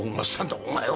お前は！